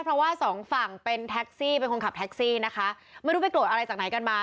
เพราะว่าสองฝั่งเป็นแท็กซี่เป็นคนขับแท็กซี่นะคะไม่รู้ไปโกรธอะไรจากไหนกันมา